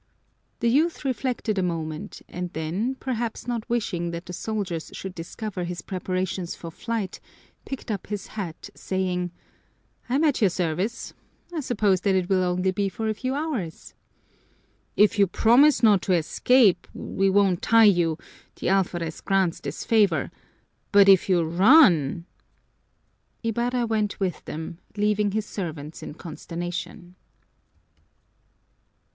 The youth reflected a moment and then, perhaps not wishing that the soldiers should discover his preparations for flight, picked up his hat, saying, "I'm at your service. I suppose that it will only be for a few hours." "If you promise not to try to escape, we won't tie you the alferez grants this favor but if you run " Ibarra went with them, leaving his servants in consternation.